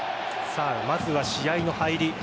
まずは試合の入り